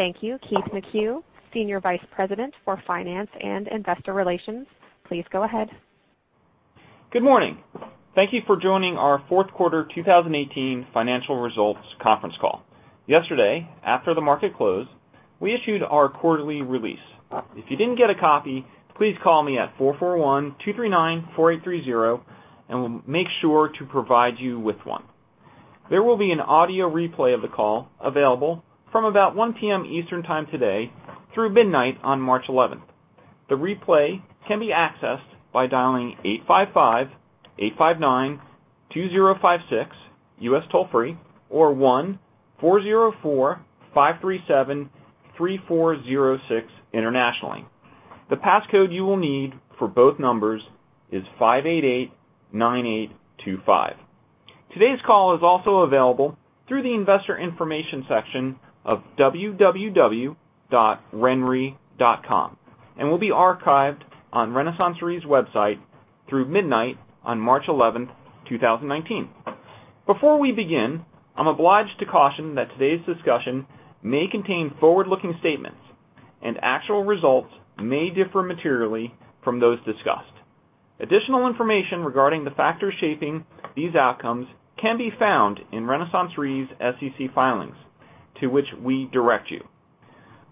Thank you. Keith McCue, Senior Vice President for Finance and Investor Relations, please go ahead. Good morning. Thank you for joining our fourth quarter 2018 financial results conference call. Yesterday, after the market closed, we issued our quarterly release. If you didn't get a copy, please call me at 441-239-4830. We'll make sure to provide you with one. There will be an audio replay of the call available from about 1:00 P.M. Eastern time today through midnight on March 11th. The replay can be accessed by dialing 855-859-2056 U.S. toll-free or 1-404-537-3406 internationally. The passcode you will need for both numbers is 5889825. Today's call is also available through the investor information section of www.renre.com and will be archived on RenaissanceRe's website through midnight on March 11th, 2019. Before we begin, I'm obliged to caution that today's discussion may contain forward-looking statements and actual results may differ materially from those discussed. Additional information regarding the factors shaping these outcomes can be found in RenaissanceRe's SEC filings, to which we direct you.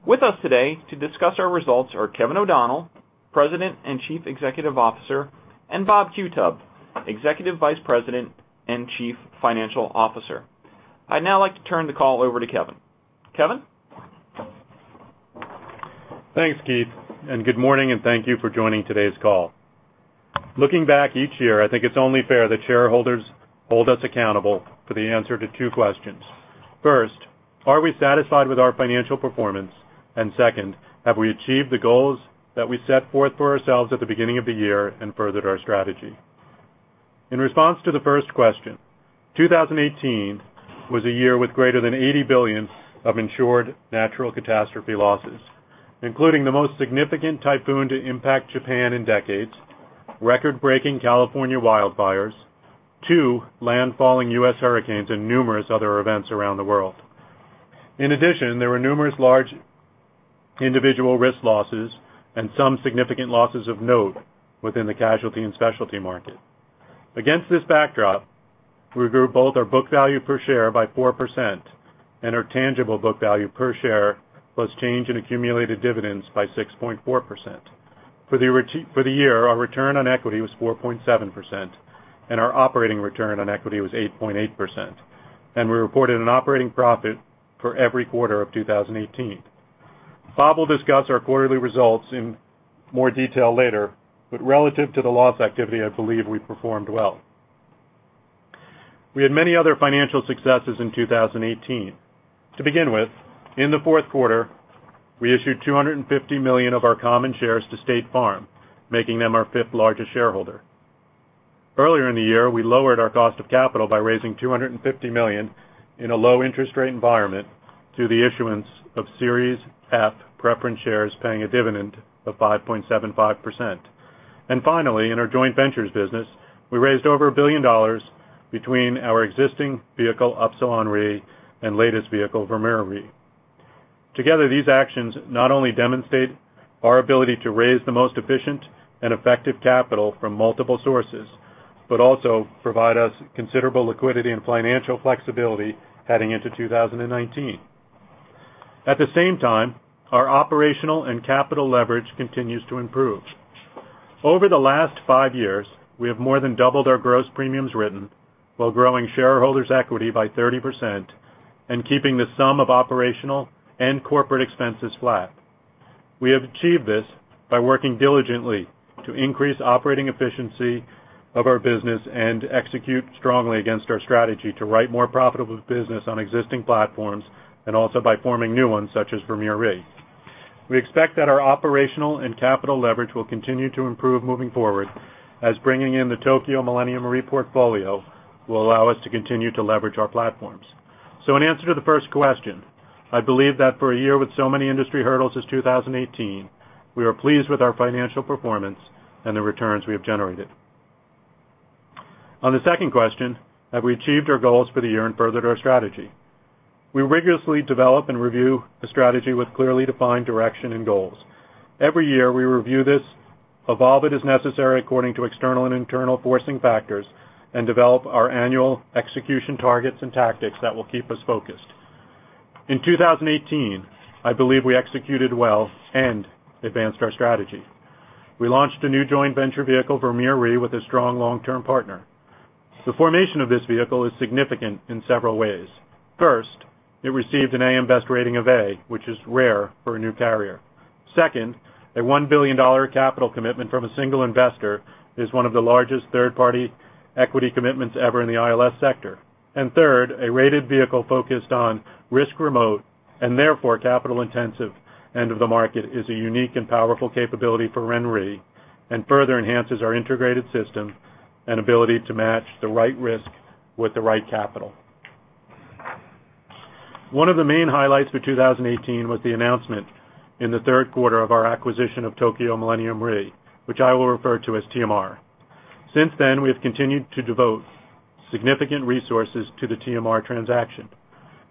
With us today to discuss our results are Kevin O'Donnell, President and Chief Executive Officer, and Robert Qutub, Executive Vice President and Chief Financial Officer. I'd now like to turn the call over to Kevin. Kevin? Thanks, Keith, and good morning, and thank you for joining today's call. Looking back each year, I think it's only fair that shareholders hold us accountable for the answer to two questions. First, are we satisfied with our financial performance? Second, have we achieved the goals that we set forth for ourselves at the beginning of the year and furthered our strategy? In response to the first question, 2018 was a year with greater than $80 billion of insured natural catastrophe losses, including the most significant typhoon to impact Japan in decades, record-breaking California wildfires, two landfalling U.S. hurricanes, and numerous other events around the world. In addition, there were numerous large individual risk losses and some significant losses of note within the casualty and specialty market. Against this backdrop, we grew both our book value per share by 4% and our tangible book value per share plus change in accumulated dividends by 6.4%. For the year, our return on equity was 4.7% and our operating return on equity was 8.8%, and we reported an operating profit for every quarter of 2018. Bob will discuss our quarterly results in more detail later, but relative to the loss activity, I believe we performed well. We had many other financial successes in 2018. To begin with, in the fourth quarter, we issued $250 million of our common shares to State Farm, making them our fifth-largest shareholder. Earlier in the year, we lowered our cost of capital by raising $250 million in a low-interest rate environment through the issuance of Series F Preference Shares, paying a dividend of 5.75%. Finally, in our joint ventures business, we raised over $1 billion between our existing vehicle, Upsilon Re, and latest vehicle, Vermeer Re. Together, these actions not only demonstrate our ability to raise the most efficient and effective capital from multiple sources but also provide us considerable liquidity and financial flexibility heading into 2019. At the same time, our operational and capital leverage continues to improve. Over the last five years, we have more than doubled our gross premiums written while growing shareholders' equity by 30% and keeping the sum of operational and corporate expenses flat. We have achieved this by working diligently to increase operating efficiency of our business and execute strongly against our strategy to write more profitable business on existing platforms and also by forming new ones such as Vermeer Re. We expect that our operational and capital leverage will continue to improve moving forward as bringing in the Tokio Millennium Re portfolio will allow us to continue to leverage our platforms. In answer to the first question, I believe that for a year with so many industry hurdles as 2018, we are pleased with our financial performance and the returns we have generated. On the second question, have we achieved our goals for the year and furthered our strategy? We rigorously develop and review the strategy with clearly defined direction and goals. Every year we review this, evolve it as necessary according to external and internal forcing factors, and develop our annual execution targets and tactics that will keep us focused. In 2018, I believe we executed well and advanced our strategy. We launched a new joint venture vehicle, Vermeer Re, with a strong long-term partner. The formation of this vehicle is significant in several ways. First, it received an AM Best rating of A, which is rare for a new carrier. Second, a $1 billion capital commitment from a single investor is one of the largest third-party equity commitments ever in the ILS sector. Third, a rated vehicle focused on risk remote and therefore capital-intensive end of the market is a unique and powerful capability for RenRe and further enhances our integrated system and ability to match the right risk with the right capital. One of the main highlights for 2018 was the announcement in the third quarter of our acquisition of Tokio Millennium Re, which I will refer to as TMR. Since then, we have continued to devote significant resources to the TMR transaction.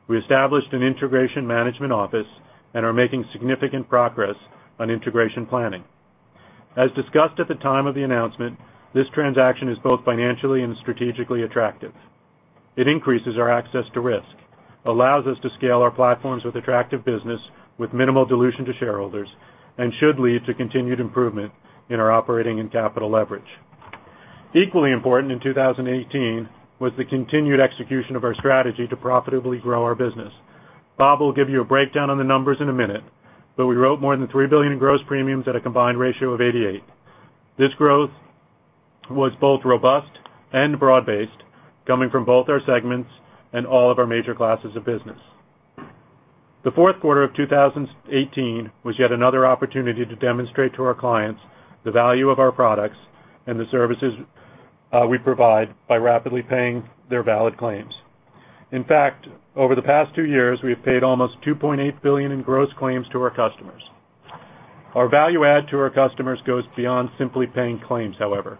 We established an integration management office and are making significant progress on integration planning. As discussed at the time of the announcement, this transaction is both financially and strategically attractive. It increases our access to risk, allows us to scale our platforms with attractive business, with minimal dilution to shareholders, and should lead to continued improvement in our operating and capital leverage. Equally important in 2018 was the continued execution of our strategy to profitably grow our business. Bob will give you a breakdown on the numbers in a minute, but we wrote more than $3 billion in gross premiums at a combined ratio of 88%. This growth was both robust and broad-based, coming from both our segments and all of our major classes of business. The fourth quarter of 2018 was yet another opportunity to demonstrate to our clients the value of our products and the services we provide by rapidly paying their valid claims. In fact, over the past two years, we have paid almost $2.8 billion in gross claims to our customers. Our value add to our customers goes beyond simply paying claims, however.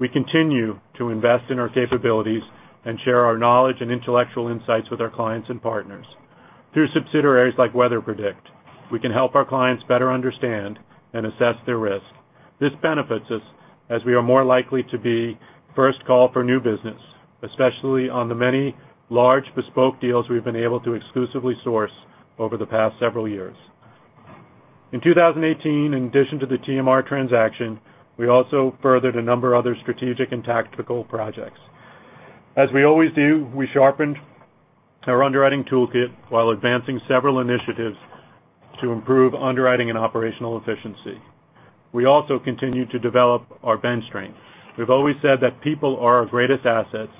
We continue to invest in our capabilities and share our knowledge and intellectual insights with our clients and partners. Through subsidiaries like WeatherPredict, we can help our clients better understand and assess their risk. This benefits us as we are more likely to be first call for new business, especially on the many large bespoke deals we've been able to exclusively source over the past several years. In 2018, in addition to the TMR transaction, we also furthered a number of other strategic and tactical projects. As we always do, we sharpened our underwriting toolkit while advancing several initiatives to improve underwriting and operational efficiency. We also continue to develop our bench strength. We've always said that people are our greatest assets,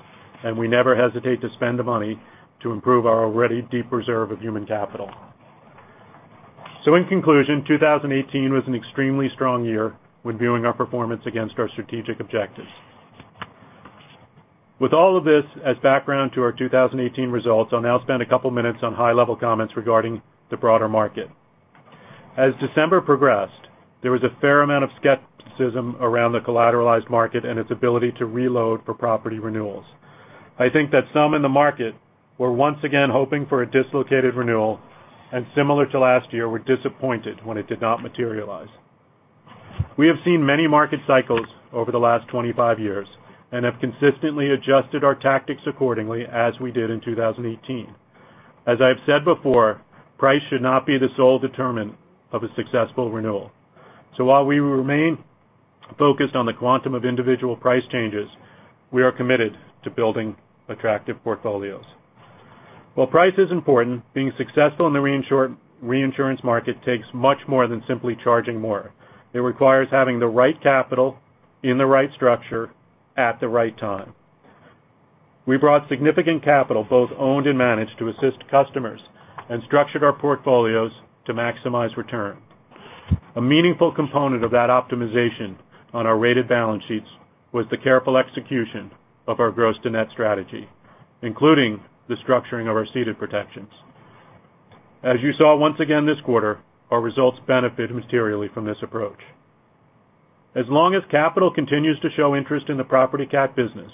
and we never hesitate to spend the money to improve our already deep reserve of human capital. In conclusion, 2018 was an extremely strong year when viewing our performance against our strategic objectives. With all of this as background to our 2018 results, I'll now spend a couple of minutes on high-level comments regarding the broader market. As December progressed, there was a fair amount of skepticism around the collateralized market and its ability to reload for property renewals. I think that some in the market were once again hoping for a dislocated renewal, and similar to last year, were disappointed when it did not materialize. We have seen many market cycles over the last 25 years and have consistently adjusted our tactics accordingly as we did in 2018. As I've said before, price should not be the sole determinant of a successful renewal. While we remain focused on the quantum of individual price changes, we are committed to building attractive portfolios. While price is important, being successful in the reinsurance market takes much more than simply charging more. It requires having the right capital in the right structure at the right time. We brought significant capital, both owned and managed, to assist customers and structured our portfolios to maximize return. A meaningful component of that optimization on our rated balance sheets was the careful execution of our gross to net strategy, including the structuring of our ceded protections. As you saw once again this quarter, our results benefit materially from this approach. As long as capital continues to show interest in the property cat business,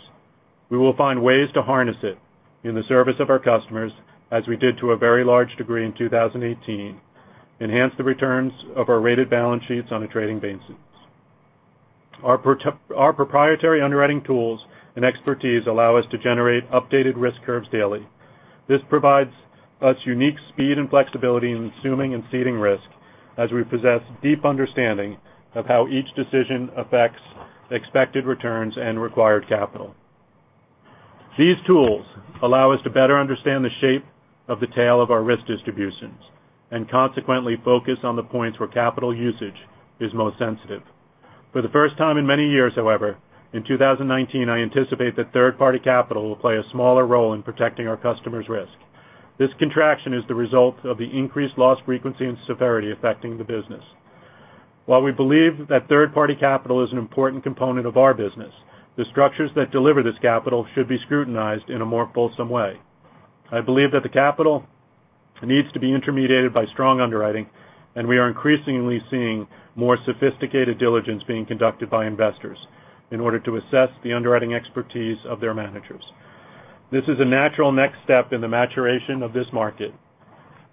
we will find ways to harness it in the service of our customers, as we did to a very large degree in 2018, enhance the returns of our rated balance sheets on a trading basis. Our proprietary underwriting tools and expertise allow us to generate updated risk curves daily. This provides us unique speed and flexibility in assuming and ceding risk as we possess deep understanding of how each decision affects expected returns and required capital. These tools allow us to better understand the shape of the tail of our risk distributions and consequently focus on the points where capital usage is most sensitive. For the first time in many years, however, in 2019, I anticipate that third-party capital will play a smaller role in protecting our customers' risk. This contraction is the result of the increased loss frequency and severity affecting the business. While we believe that third-party capital is an important component of our business, the structures that deliver this capital should be scrutinized in a more fulsome way. I believe that the capital needs to be intermediated by strong underwriting, and we are increasingly seeing more sophisticated diligence being conducted by investors in order to assess the underwriting expertise of their managers. This is a natural next step in the maturation of this market.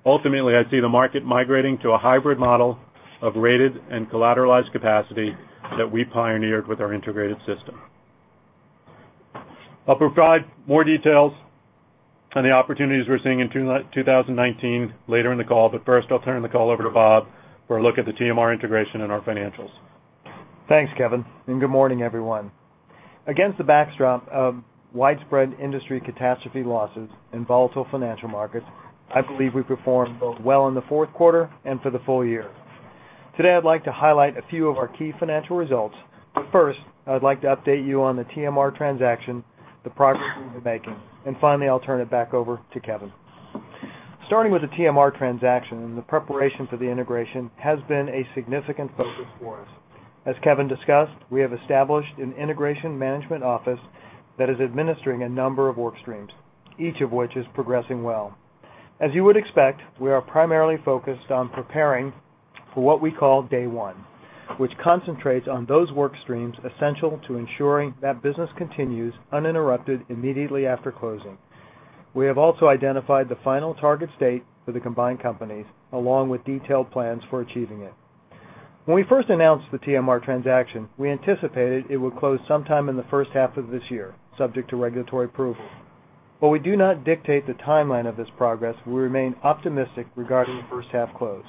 Ultimately, I see the market migrating to a hybrid model of rated and collateralized capacity that we pioneered with our integrated system. I'll provide more details on the opportunities we're seeing in 2019 later in the call. First, I'll turn the call over to Bob for a look at the TMR integration and our financials. Thanks, Kevin, good morning, everyone. Against the backdrop of widespread industry catastrophe losses and volatile financial markets, I believe we performed both well in the fourth quarter and for the full year. Today, I'd like to highlight a few of our key financial results, first, I would like to update you on the TMR transaction, the progress we've been making, and finally, I'll turn it back over to Kevin. Starting with the TMR transaction, the preparation for the integration has been a significant focus for us. As Kevin discussed, we have established an integration management office that is administering a number of work streams, each of which is progressing well. As you would expect, we are primarily focused on preparing for what we call day one, which concentrates on those work streams essential to ensuring that business continues uninterrupted immediately after closing. We have also identified the final target state for the combined companies, along with detailed plans for achieving it. When we first announced the TMR transaction, we anticipated it would close sometime in the first half of this year, subject to regulatory approval. We do not dictate the timeline of this progress, we remain optimistic regarding the first half close.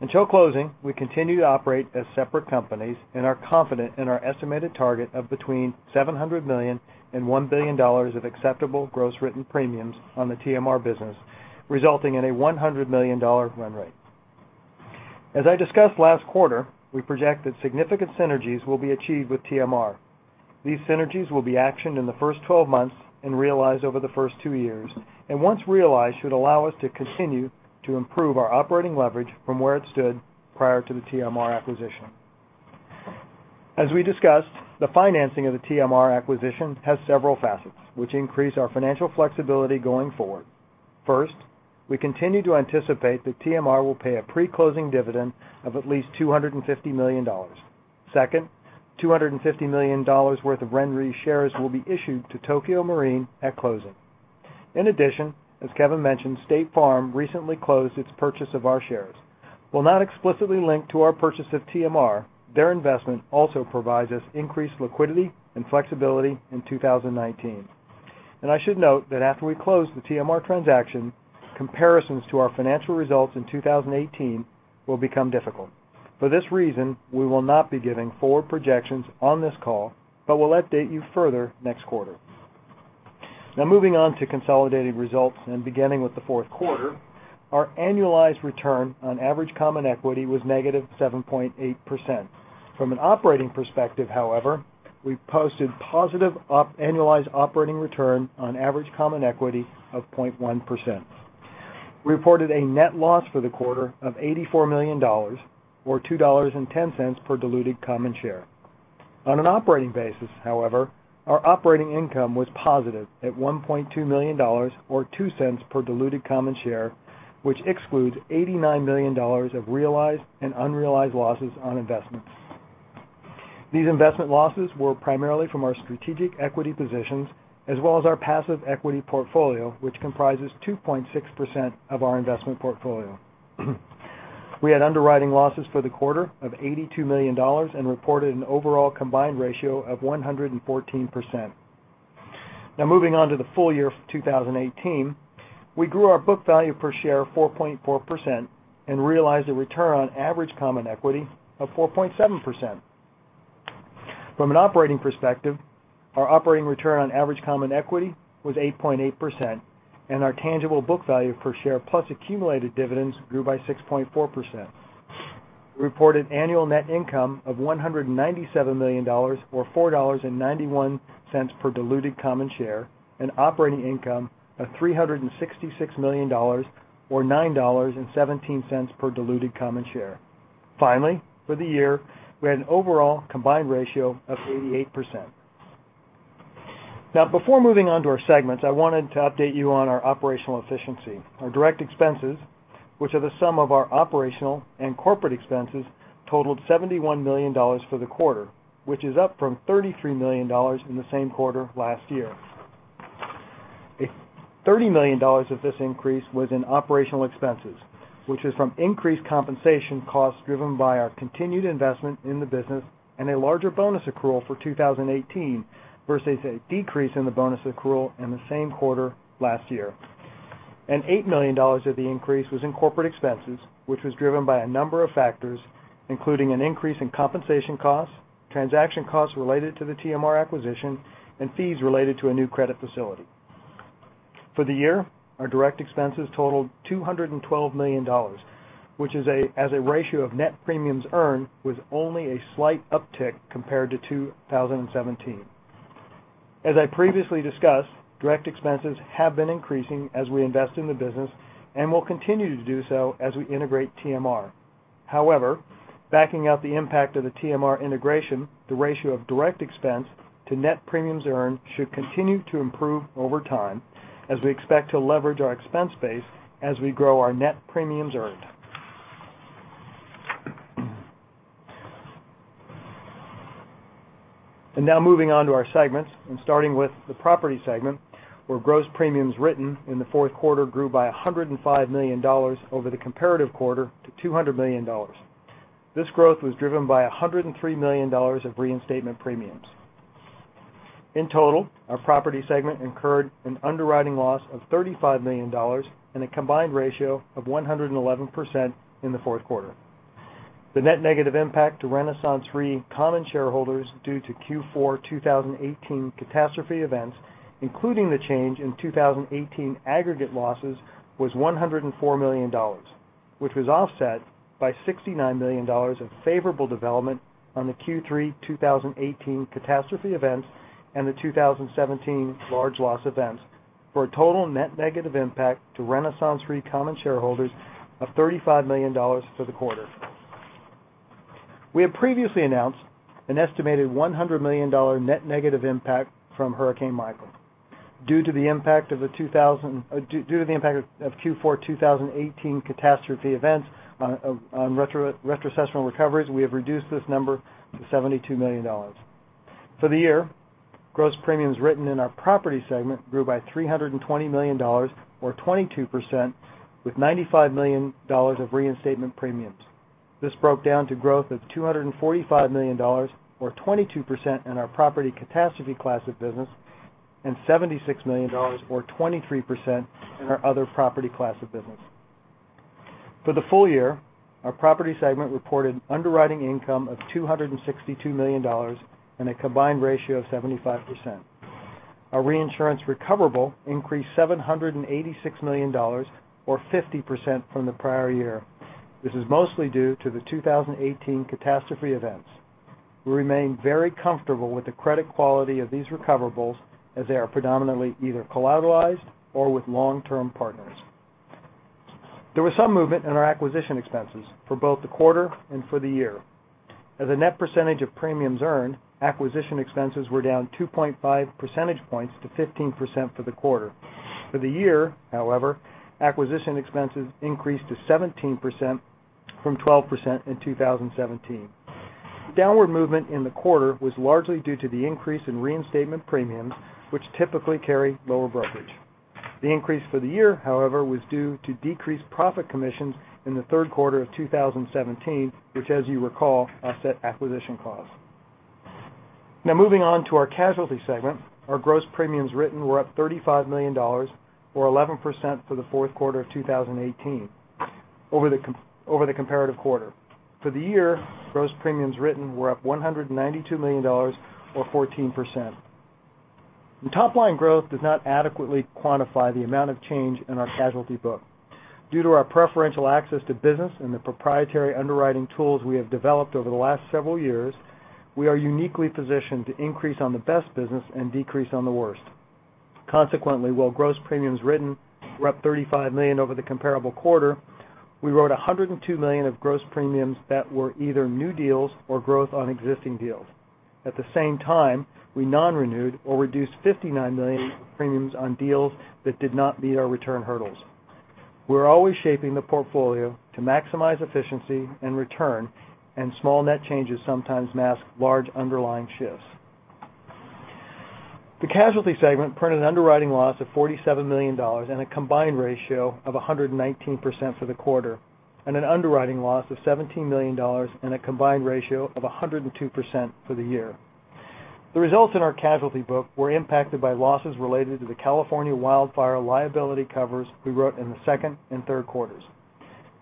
Until closing, we continue to operate as separate companies and are confident in our estimated target of between $700 million and $1 billion of acceptable gross written premiums on the TMR business, resulting in a $100 million run rate. As I discussed last quarter, we project that significant synergies will be achieved with TMR. These synergies will be actioned in the first 12 months and realized over the first two years. Once realized, should allow us to continue to improve our operating leverage from where it stood prior to the TMR acquisition. As we discussed, the financing of the TMR acquisition has several facets which increase our financial flexibility going forward. First, we continue to anticipate that TMR will pay a pre-closing dividend of at least $250 million. Second, $250 million worth of RenRe shares will be issued to Tokio Marine at closing. In addition, as Kevin mentioned, State Farm recently closed its purchase of our shares. While not explicitly linked to our purchase of TMR, their investment also provides us increased liquidity and flexibility in 2019. I should note that after we close the TMR transaction, comparisons to our financial results in 2018 will become difficult. For this reason, we will not be giving forward projections on this call, but we'll update you further next quarter. Moving on to consolidated results and beginning with the fourth quarter. Our annualized return on average common equity was negative 7.8%. From an operating perspective, however, we posted positive annualized operating return on average common equity of 0.1%. We reported a net loss for the quarter of $84 million, or $2.10 per diluted common share. On an operating basis, however, our operating income was positive at $1.2 million, or $0.02 per diluted common share, which excludes $89 million of realized and unrealized losses on investments. These investment losses were primarily from our strategic equity positions as well as our passive equity portfolio, which comprises 2.6% of our investment portfolio. We had underwriting losses for the quarter of $82 million and reported an overall combined ratio of 114%. Moving on to the full year of 2018. We grew our book value per share 4.4% and realized a return on average common equity of 4.7%. From an operating perspective, our operating return on average common equity was 8.8%, and our tangible book value per share plus accumulated dividends grew by 6.4%. We reported annual net income of $197 million, or $4.91 per diluted common share, and operating income of $366 million, or $9.17 per diluted common share. Finally, for the year, we had an overall combined ratio of 88%. Before moving on to our segments, I wanted to update you on our operational efficiency. Our direct expenses, which are the sum of our operational and corporate expenses, totaled $71 million for the quarter, which is up from $33 million in the same quarter last year. $30 million of this increase was in operational expenses, which is from increased compensation costs driven by our continued investment in the business and a larger bonus accrual for 2018, versus a decrease in the bonus accrual in the same quarter last year. $8 million of the increase was in corporate expenses, which was driven by a number of factors, including an increase in compensation costs, transaction costs related to the TMR acquisition, and fees related to a new credit facility. For the year, our direct expenses totaled $212 million, which as a ratio of net premiums earned, was only a slight uptick compared to 2017. As I previously discussed, direct expenses have been increasing as we invest in the business and will continue to do so as we integrate TMR. However, backing out the impact of the TMR integration, the ratio of direct expense to net premiums earned should continue to improve over time, as we expect to leverage our expense base as we grow our net premiums earned. Now moving on to our segments, and starting with the property segment, where gross premiums written in the fourth quarter grew by $105 million over the comparative quarter to $200 million. This growth was driven by $103 million of reinstatement premiums. In total, our property segment incurred an underwriting loss of $35 million and a combined ratio of 111% in the fourth quarter. The net negative impact to RenaissanceRe common shareholders due to Q4 2018 catastrophe events, including the change in 2018 aggregate losses, was $104 million, which was offset by $69 million of favorable development on the Q3 2018 catastrophe events and the 2017 large loss events, for a total net negative impact to RenaissanceRe common shareholders of $35 million for the quarter. We have previously announced an estimated $100 million net negative impact from Hurricane Michael. Due to the impact of Q4 2018 catastrophe events on retrocessional recoveries, we have reduced this number to $72 million. For the year, gross premiums written in our property segment grew by $320 million, or 22%, with $95 million of reinstatement premiums. This broke down to growth of $245 million, or 22% in our property catastrophe class of business, and $76 million, or 23%, in our other property class of business. For the full year, our property segment reported underwriting income of $262 million, and a combined ratio of 75%. Our reinsurance recoverable increased $786 million, or 50% from the prior year. This is mostly due to the 2018 catastrophe events. We remain very comfortable with the credit quality of these recoverables, as they are predominantly either collateralized or with long-term partners. There was some movement in our acquisition expenses for both the quarter and for the year. As a net percentage of premiums earned, acquisition expenses were down 2.5 percentage points to 15% for the quarter. For the year, however, acquisition expenses increased to 17%, from 12% in 2017. Downward movement in the quarter was largely due to the increase in reinstatement premiums, which typically carry lower brokerage. The increase for the year, however, was due to decreased profit commissions in the third quarter of 2017, which as you recall, offset acquisition costs. Now, moving on to our casualty segment. Our gross premiums written were up $35 million, or 11% for the fourth quarter of 2018 over the comparative quarter. For the year, gross premiums written were up $192 million, or 14%. Top line growth does not adequately quantify the amount of change in our casualty book. Due to our preferential access to business and the proprietary underwriting tools we have developed over the last several years, we are uniquely positioned to increase on the best business and decrease on the worst. Consequently, while gross premiums written were up $35 million over the comparable quarter, we wrote $102 million of gross premiums that were either new deals or growth on existing deals. At the same time, we non-renewed or reduced $59 million of premiums on deals that did not meet our return hurdles. We're always shaping the portfolio to maximize efficiency and return, and small net changes sometimes mask large underlying shifts. The casualty segment printed underwriting loss of $47 million, and a combined ratio of 119% for the quarter, and an underwriting loss of $17 million, and a combined ratio of 102% for the year. The results in our casualty book were impacted by losses related to the California wildfire liability covers we wrote in the second and third quarters.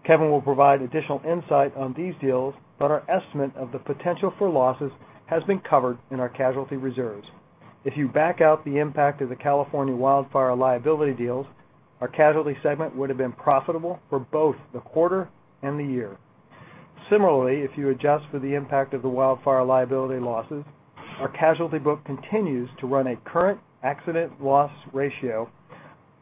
Kevin will provide additional insight on these deals, but our estimate of the potential for losses has been covered in our casualty reserves. If you back out the impact of the California wildfire liability deals, our casualty segment would've been profitable for both the quarter and the year. Similarly, if you adjust for the impact of the wildfire liability losses, our casualty book continues to run a current accident loss ratio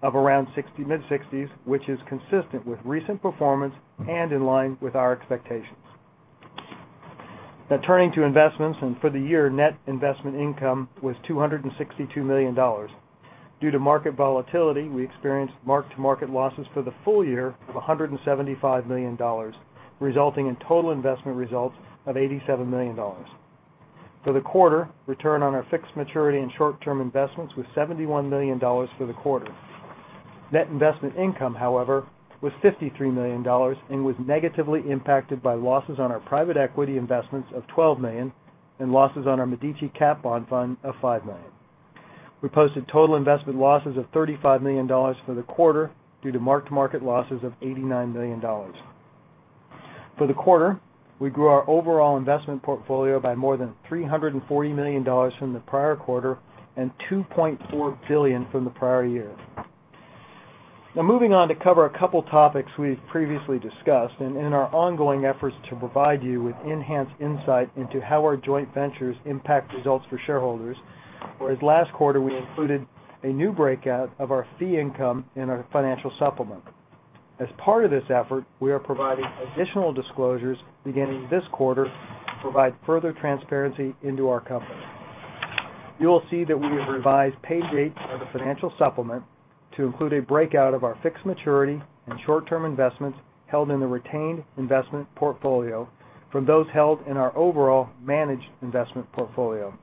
of around mid-60s, which is consistent with recent performance and in line with our expectations. For the year, net investment income was $262 million. Due to market volatility, we experienced mark-to-market losses for the full year of $175 million, resulting in total investment results of $87 million. For the quarter, return on our fixed maturity and short-term investments was $71 million for the quarter. Net investment income, however, was $53 million, and was negatively impacted by losses on our private equity investments of $12 million, and losses on our Medici cat bond fund of $5 million. We posted total investment losses of $35 million for the quarter due to mark-to-market losses of $89 million. For the quarter, we grew our overall investment portfolio by more than $340 million from the prior quarter, $2.4 billion from the prior year. Moving on to cover a couple topics we've previously discussed, in our ongoing efforts to provide you with enhanced insight into how our joint ventures impact results for shareholders, whereas last quarter we included a new breakout of our fee income in our financial supplement. As part of this effort, we are providing additional disclosures beginning this quarter to provide further transparency into our company. You will see that we have revised Page 8 of the financial supplement to include a breakout of our fixed maturity and short-term investments held in the retained investment portfolio from those held in our overall managed investment portfolio.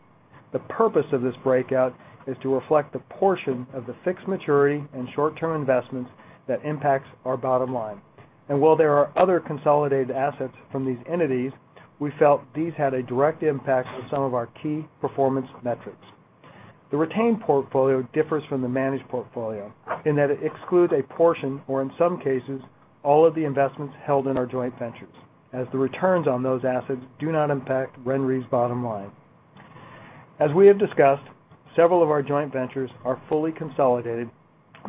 The purpose of this breakout is to reflect the portion of the fixed maturity and short-term investments that impacts our bottom line. While there are other consolidated assets from these entities, we felt these had a direct impact on some of our key performance metrics. The retained portfolio differs from the managed portfolio in that it excludes a portion, or in some cases, all of the investments held in our joint ventures, as the returns on those assets do not impact RenRe's bottom line. As we have discussed, several of our joint ventures are fully consolidated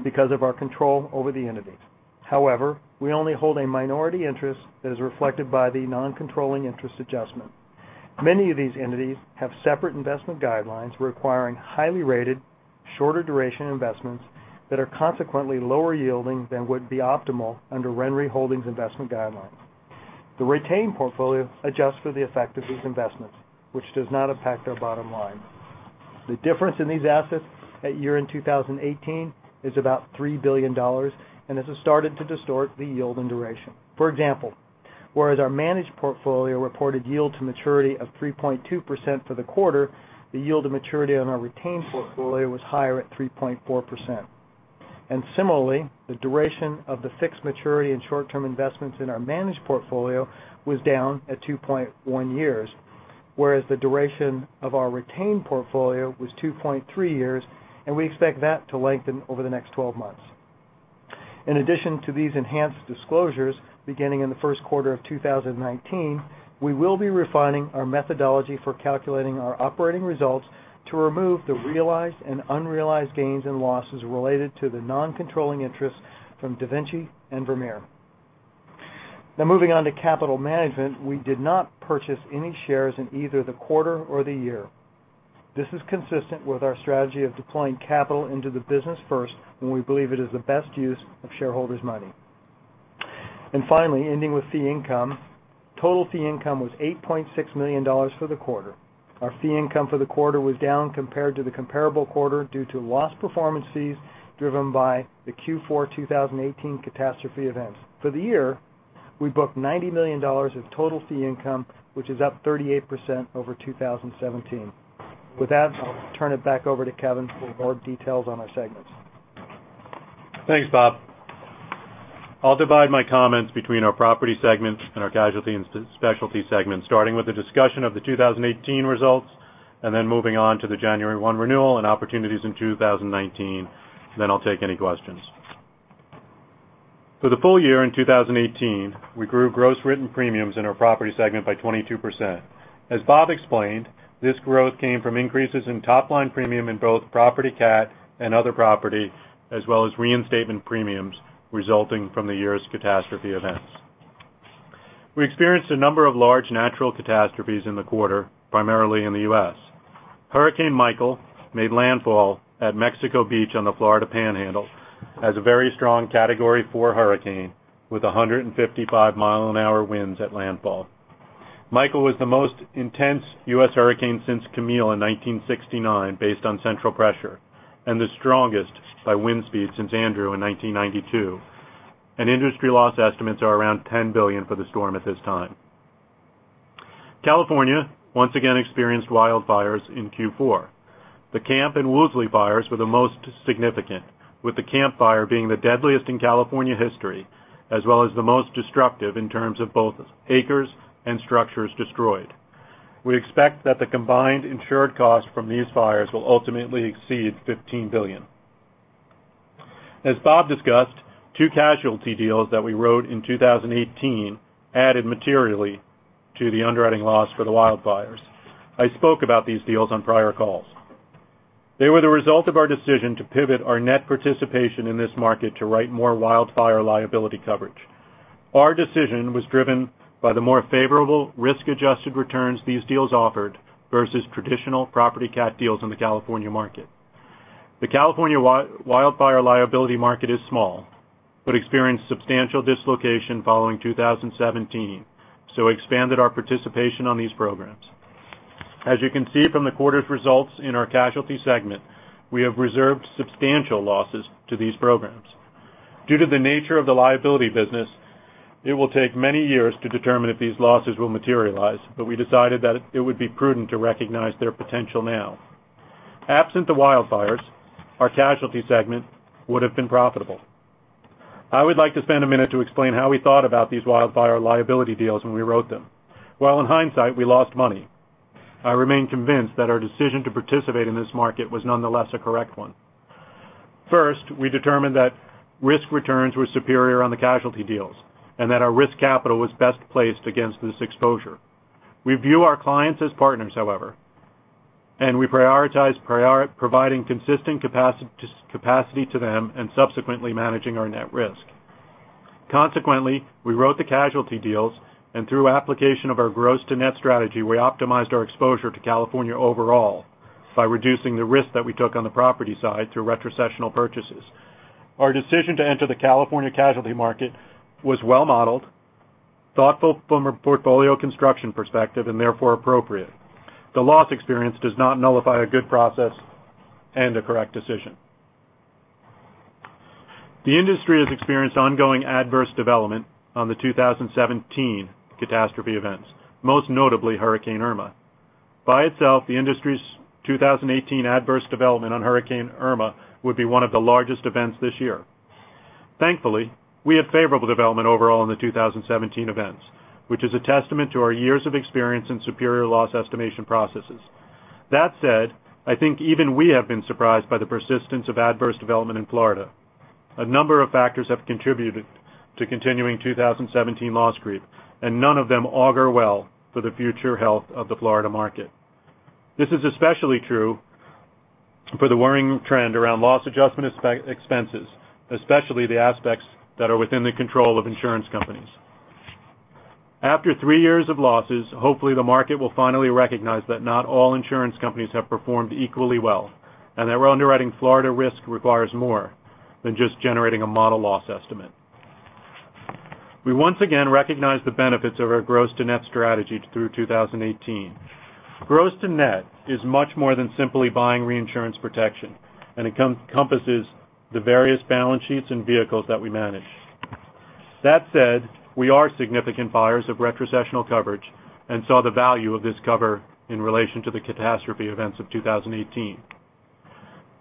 because of our control over the entities. However, we only hold a minority interest that is reflected by the non-controlling interest adjustment. Many of these entities have separate investment guidelines requiring highly rated, shorter duration investments that are consequently lower yielding than would be optimal under RenRe Holdings investment guidelines. The retained portfolio adjusts for the effect of these investments, which does not affect our bottom line. The difference in these assets at year-end 2018 is about $3 billion and has started to distort the yield and duration. For example, whereas our managed portfolio reported yield to maturity of 3.2% for the quarter, the yield of maturity on our retained portfolio was higher at 3.4%. Similarly, the duration of the fixed maturity and short-term investments in our managed portfolio was down at 2.1 years, whereas the duration of our retained portfolio was 2.3 years, and we expect that to lengthen over the next 12 months. In addition to these enhanced disclosures, beginning in the first quarter of 2019, we will be refining our methodology for calculating our operating results to remove the realized and unrealized gains and losses related to the non-controlling interests from DaVinci and Vermeer. Now moving on to capital management. We did not purchase any shares in either the quarter or the year. This is consistent with our strategy of deploying capital into the business first, when we believe it is the best use of shareholders' money. Finally, ending with fee income. Total fee income was $8.6 million for the quarter. Our fee income for the quarter was down compared to the comparable quarter due to loss performance fees driven by the Q4 2018 catastrophe events. For the year, we booked $90 million of total fee income, which is up 38% over 2017. With that, I'll turn it back over to Kevin for more details on our segments. Thanks, Bob. I'll divide my comments between our property segment and our casualty and specialty segment, starting with a discussion of the 2018 results and then moving on to the January 1 renewal and opportunities in 2019, and then I'll take any questions. For the full year in 2018, we grew gross written premiums in our property segment by 22%. As Bob explained, this growth came from increases in top-line premium in both property cat and other property, as well as reinstatement premiums resulting from the year's catastrophe events. We experienced a number of large natural catastrophes in the quarter, primarily in the U.S. Hurricane Michael made landfall at Mexico Beach on the Florida Panhandle as a very strong Category 4 hurricane with 155 mile an hour winds at landfall. Michael was the most intense U.S. hurricane since Camille in 1969 based on central pressure and the strongest by wind speed since Andrew in 1992. Industry loss estimates are around $10 billion for the storm at this time. California once again experienced wildfires in Q4. The Camp and Woolsey fires were the most significant, with the Camp Fire being the deadliest in California history, as well as the most destructive in terms of both acres and structures destroyed. We expect that the combined insured cost from these fires will ultimately exceed $15 billion. As Bob discussed, two casualty deals that we wrote in 2018 added materially to the underwriting loss for the wildfires. I spoke about these deals on prior calls. They were the result of our decision to pivot our net participation in this market to write more wildfire liability coverage. Our decision was driven by the more favorable risk-adjusted returns these deals offered versus traditional property cat deals in the California market. The California wildfire liability market is small, experienced substantial dislocation following 2017, expanded our participation on these programs. As you can see from the quarter's results in our casualty segment, we have reserved substantial losses to these programs. Due to the nature of the liability business, it will take many years to determine if these losses will materialize, we decided that it would be prudent to recognize their potential now. Absent the wildfires, our casualty segment would have been profitable. I would like to spend a minute to explain how we thought about these wildfire liability deals when we wrote them. While in hindsight, we lost money, I remain convinced that our decision to participate in this market was nonetheless a correct one. First, we determined that risk returns were superior on the casualty deals, that our risk capital was best placed against this exposure. We view our clients as partners, however, we prioritize providing consistent capacity to them and subsequently managing our net risk. Consequently, we wrote the casualty deals and through application of our gross to net strategy, we optimized our exposure to California overall by reducing the risk that we took on the property side through retrocessional purchases. Our decision to enter the California casualty market was well modeled, thoughtful from a portfolio construction perspective, therefore appropriate. The loss experience does not nullify a good process and a correct decision. The industry has experienced ongoing adverse development on the 2017 catastrophe events, most notably Hurricane Irma. By itself, the industry's 2018 adverse development on Hurricane Irma would be one of the largest events this year. Thankfully, we have favorable development overall in the 2017 events, which is a testament to our years of experience in superior loss estimation processes. That said, I think even we have been surprised by the persistence of adverse development in Florida. A number of factors have contributed to continuing 2017 loss creep, none of them augur well for the future health of the Florida market. This is especially true for the worrying trend around loss adjustment expenses, especially the aspects that are within the control of insurance companies. After three years of losses, hopefully the market will finally recognize that not all insurance companies have performed equally well, that underwriting Florida risk requires more than just generating a model loss estimate. We once again recognize the benefits of our gross to net strategy through 2018. Gross to net is much more than simply buying reinsurance protection, encompasses the various balance sheets and vehicles that we manage. That said, we are significant buyers of retrocessional coverage and saw the value of this cover in relation to the catastrophe events of 2018.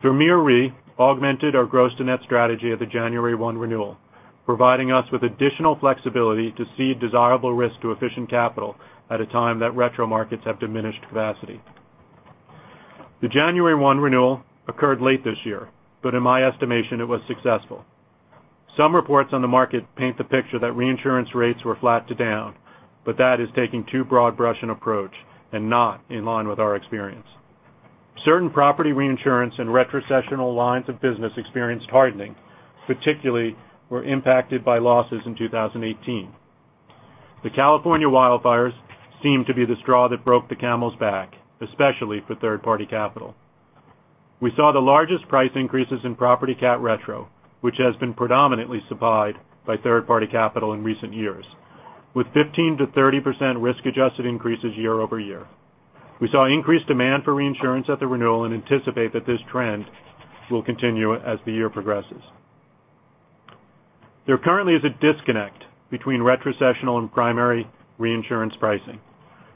Vermeer Re augmented our gross to net strategy at the January 1 renewal, providing us with additional flexibility to cede desirable risk to efficient capital at a time that retro markets have diminished capacity. The January 1 renewal occurred late this year, in my estimation, it was successful. Some reports on the market paint the picture that reinsurance rates were flat to down, that is taking too broadbrush an approach and not in line with our experience. Certain property reinsurance and retrocessional lines of business experienced hardening, particularly were impacted by losses in 2018. The California wildfires seemed to be the straw that broke the camel's back, especially for third-party capital. We saw the largest price increases in property cat retro, which has been predominantly supplied by third-party capital in recent years, with 15%-30% risk-adjusted increases year-over-year. We saw increased demand for reinsurance at the renewal and anticipate that this trend will continue as the year progresses. There currently is a disconnect between retrocessional and primary reinsurance pricing.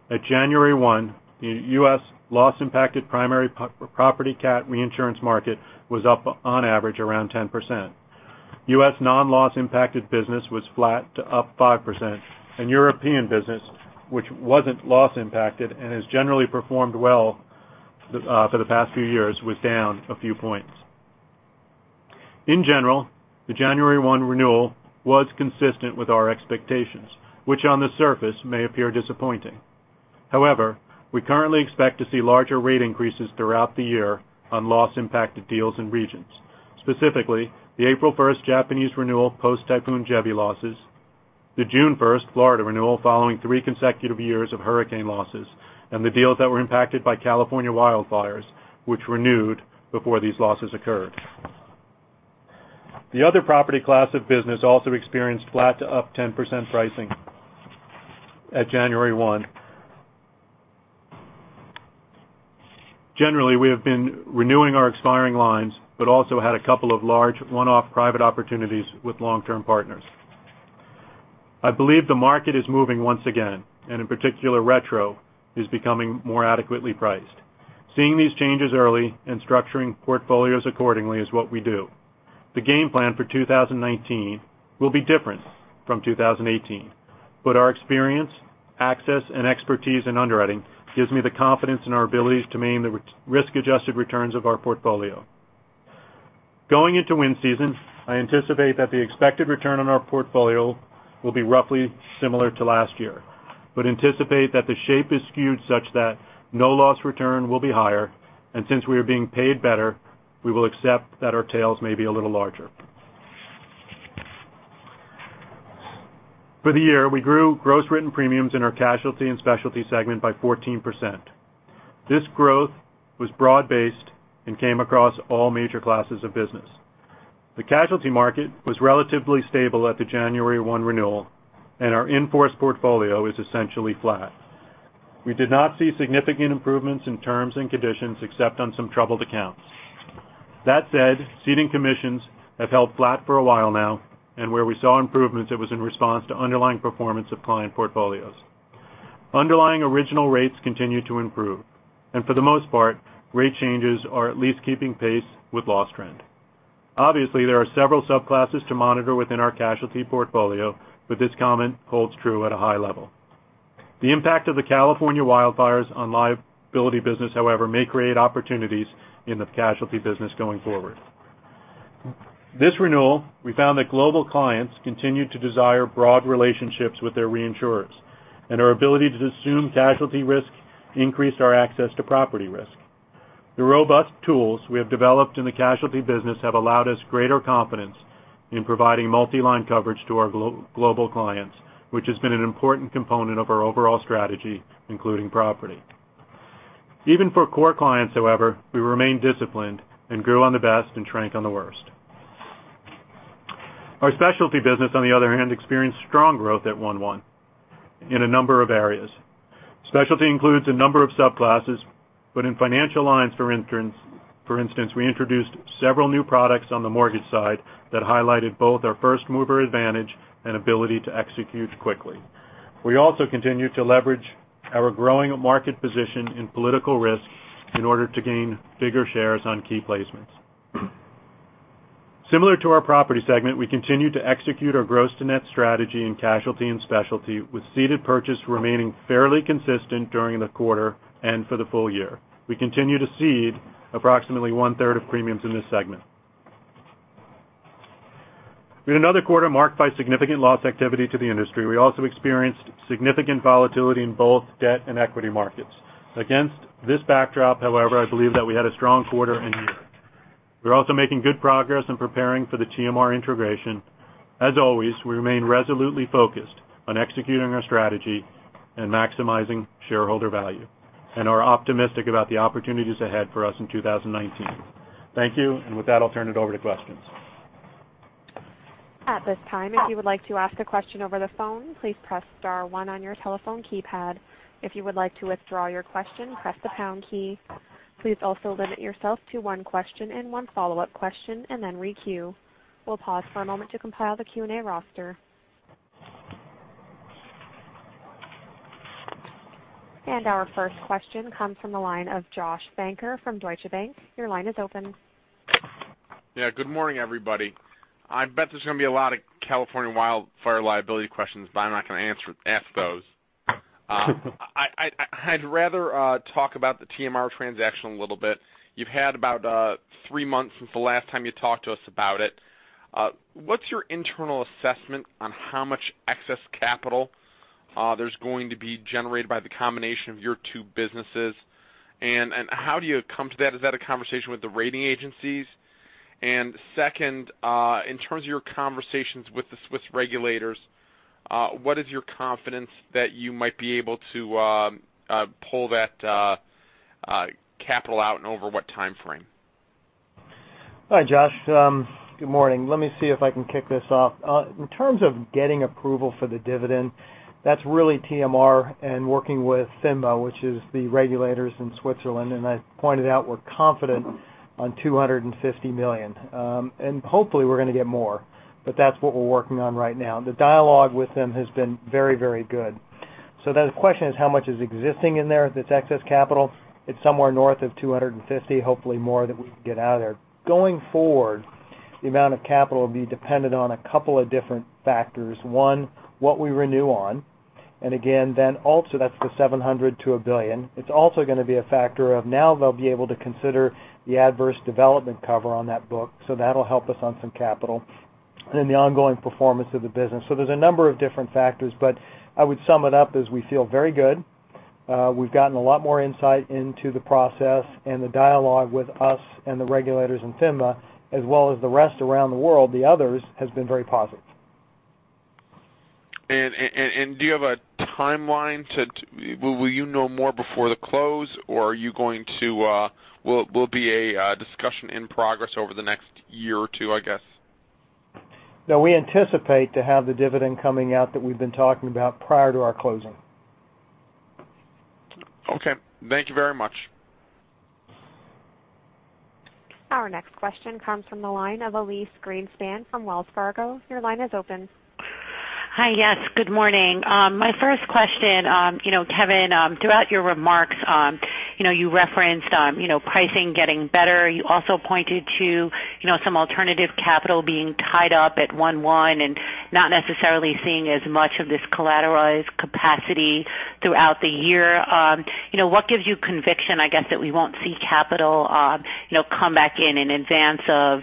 At January 1, the U.S. loss-impacted primary property cat reinsurance market was up on average around 10%. U.S. non-loss impacted business was flat to up 5%, and European business, which wasn't loss impacted and has generally performed well for the past few years, was down a few points. In general, the January 1 renewal was consistent with our expectations, which on the surface may appear disappointing. We currently expect to see larger rate increases throughout the year on loss impacted deals and regions, specifically the April 1st Japanese renewal post Typhoon Jebi losses, the June 1st Florida renewal following three consecutive years of hurricane losses, and the deals that were impacted by California wildfires, which renewed before these losses occurred. The other property class of business also experienced flat to up 10% pricing at January 1. Generally, we have been renewing our expiring lines, but also had a couple of large one-off private opportunities with long-term partners. I believe the market is moving once again, and in particular, retro is becoming more adequately priced. Seeing these changes early and structuring portfolios accordingly is what we do. The game plan for 2019 will be different from 2018, but our experience, access, and expertise in underwriting gives me the confidence in our abilities to maintain the risk-adjusted returns of our portfolio. Going into wind season, I anticipate that the expected return on our portfolio will be roughly similar to last year, but anticipate that the shape is skewed such that no-loss return will be higher, and since we are being paid better, we will accept that our tails may be a little larger. For the year, we grew gross written premiums in our Casualty & Specialty segment by 14%. This growth was broad-based and came across all major classes of business. The casualty market was relatively stable at the January 1 renewal, and our in-force portfolio is essentially flat. We did not see significant improvements in terms and conditions except on some troubled accounts. Ceding commissions have held flat for a while now, and where we saw improvements, it was in response to underlying performance of client portfolios. Underlying original rates continue to improve, and for the most part, rate changes are at least keeping pace with loss trend. Obviously, there are several subclasses to monitor within our casualty portfolio, but this comment holds true at a high level. The impact of the California wildfires on liability business may create opportunities in the casualty business going forward. This renewal, we found that global clients continued to desire broad relationships with their reinsurers, and our ability to assume casualty risk increased our access to property risk. The robust tools we have developed in the casualty business have allowed us greater confidence in providing multi-line coverage to our global clients, which has been an important component of our overall strategy, including property. Even for core clients, however, we remain disciplined and grew on the best and shrank on the worst. Our specialty business, on the other hand, experienced strong growth at 1/1 in a number of areas. Specialty includes a number of subclasses, but in financial lines, for instance, we introduced several new products on the mortgage side that highlighted both our first-mover advantage and ability to execute quickly. We also continued to leverage our growing market position in political risk in order to gain bigger shares on key placements. Similar to our property segment, we continued to execute our gross to net strategy in Casualty and Specialty, with ceded purchase remaining fairly consistent during the quarter and for the full year. We continue to cede approximately one-third of premiums in this segment. In another quarter marked by significant loss activity to the industry, we also experienced significant volatility in both debt and equity markets. Against this backdrop, however, I believe that we had a strong quarter and year. We are also making good progress in preparing for the TMR integration. As always, we remain resolutely focused on executing our strategy and maximizing shareholder value and are optimistic about the opportunities ahead for us in 2019. Thank you. With that, I will turn it over to questions. At this time, if you would like to ask a question over the phone, please press star one on your telephone keypad. If you would like to withdraw your question, press the pound key. Please also limit yourself to one question and one follow-up question, then re-queue. We will pause for a moment to compile the Q&A roster. Our first question comes from the line of Joshua Shanker from Deutsche Bank. Your line is open. Yeah. Good morning, everybody. I bet there is going to be a lot of California wildfire liability questions, but I am not going to ask those. I would rather talk about the TMR transaction a little bit. You have had about three months since the last time you talked to us about it. What is your internal assessment on how much excess capital there is going to be generated by the combination of your two businesses? How do you come to that? Is that a conversation with the rating agencies? Second, in terms of your conversations with the Swiss regulators, what is your confidence that you might be able to pull that capital out, and over what timeframe? Hi, Josh. Good morning. Let me see if I can kick this off. In terms of getting approval for the dividend, that's really TMR and working with FINMA, which is the regulators in Switzerland. I pointed out we're confident on $250 million. Hopefully we're going to get more, but that's what we're working on right now. The dialogue with them has been very good. The question is, how much is existing in there that's excess capital? It's somewhere north of $250, hopefully more that we can get out of there. Going forward, the amount of capital will be dependent on a couple of different factors. One, what we renew on. Also that's the $700 million to $1 billion. It's also going to be a factor of now they'll be able to consider the adverse development cover on that book, that'll help us on some capital, the ongoing performance of the business. There's a number of different factors, but I would sum it up as we feel very good. We've gotten a lot more insight into the process and the dialogue with us and the regulators in FINMA, as well as the rest around the world, the others, has been very positive. Do you have a timeline? Will you know more before the close or will it be a discussion in progress over the next year or two, I guess? No, we anticipate to have the dividend coming out that we've been talking about prior to our closing. Okay. Thank you very much. Our next question comes from the line of Elyse Greenspan from Wells Fargo. Your line is open. Hi. Yes, good morning. My first question, Kevin, throughout your remarks, you referenced pricing getting better. You also pointed to some alternative capital being tied up at one-one and not necessarily seeing as much of this collateralized capacity throughout the year. What gives you conviction, I guess, that we won't see capital come back in in advance of